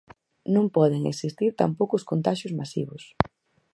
Non poden existir tampouco os contaxios masivos.